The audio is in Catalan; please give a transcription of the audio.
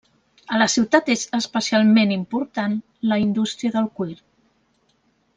A la ciutat és especialment important la indústria del cuir.